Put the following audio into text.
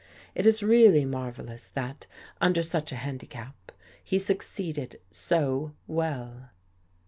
It is really marvelous that, under such a handicap, he succeeded so well."